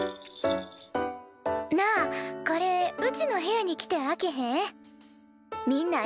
なあこれうちの部屋に来て開けへん？